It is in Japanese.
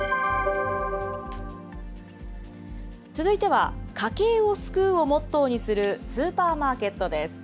続いては、家計を救うをモットーにするスーパーマーケットです。